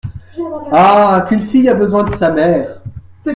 Ah ! qu’une fille a besoin de sa mère !